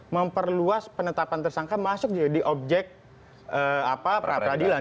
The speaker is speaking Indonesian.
memperluas penetapan tersangka masuk jadi objek prapradilan